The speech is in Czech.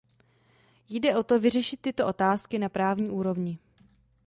Jde o to řešit tyto otázky na právní úrovni.